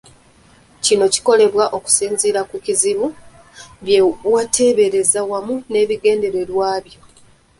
Kino kikolebwa ng’onsinziira ku kizibu, bye wateebereza wamu n’ebigendererwa byo.